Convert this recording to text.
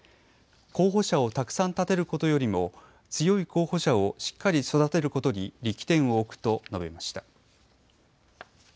候補者をたくさん立てることよりも強い候補者をしっかり育てることに力点を置くと述べました。